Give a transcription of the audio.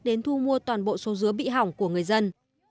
đến thu mua toàn bộ số dứa bị hỏng của người dân